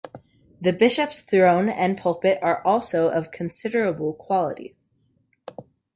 The bishop's throne and the pulpit are also of considerable quality.